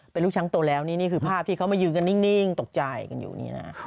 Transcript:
เป็นลูกช้างโตแล้วนี่คือภาพที่เขามายืนกันนิ่งตกใจกันอยู่นี่นะ